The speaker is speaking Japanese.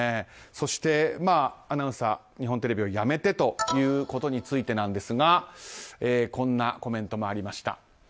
そしてアナウンサー日本テレビを辞めてということについてですがこんなコメントもありました。